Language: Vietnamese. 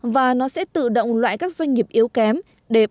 và nó sẽ tự động loại các doanh nghiệp yếu kém đẹp